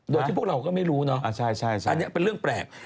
โดยที่พวกเราก็ไม่รู้เนอะอันนี้เป็นเรื่องแปลก